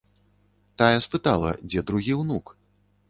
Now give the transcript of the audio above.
Тая спытала, дзе другі ўнук?